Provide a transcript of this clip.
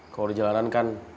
kalau di jalanan kan